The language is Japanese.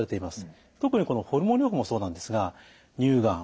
特にこのホルモン療法もそうなんですが乳がん